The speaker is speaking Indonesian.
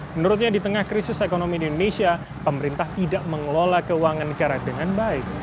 menurutnya di tengah krisis ekonomi di indonesia pemerintah tidak mengelola keuangan negara dengan baik